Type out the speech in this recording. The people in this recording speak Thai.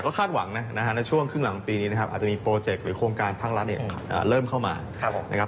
ก็คาดหวังช่วงครึ่งหลังปีนี้มีโปรเจคหรือโครงการพังรัฐเริ่มเข้ามา